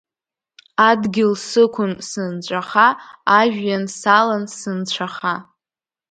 Адгьыл сықәын сынҵәаха, ажәҩан салан сынцәаха.